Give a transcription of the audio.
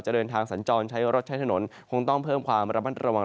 เดินทางสัญจรใช้รถใช้ถนนคงต้องเพิ่มความระมัดระวัง